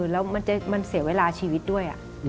แล้วมันจะเสียเวลาชีวิตด้วย